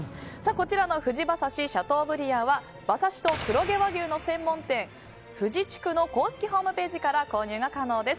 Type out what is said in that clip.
こちらのふじ馬刺しシャトーブリアンは馬刺しと黒毛和牛の専門店フジチクの公式ホームページから購入が可能です。